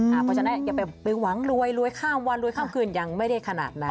เพราะฉะนั้นอย่าไปหวังรวยรวยข้ามวันรวยข้ามคืนยังไม่ได้ขนาดนั้น